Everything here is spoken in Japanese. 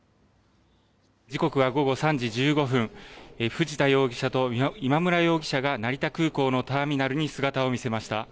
時刻は午後３時１５分、藤田容疑者と今村容疑者が成田空港のターミナルに姿を見せました。